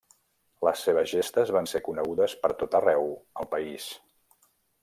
Les seves gestes van ser conegudes pertot arreu el país.